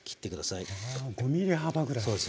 あ５ｍｍ幅ぐらいですね。